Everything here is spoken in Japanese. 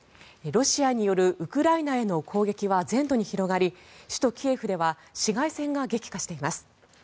ロシアによるウクライナへの攻撃は全土に広がり、首都キエフでは市街戦が激化しています。